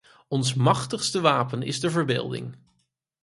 Ons machtigste wapen is de verbeelding.